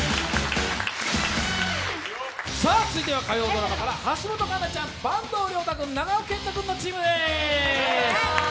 続いては火曜ドラマから橋本環奈ちゃん、坂東龍汰君、長尾謙杜君のチームです。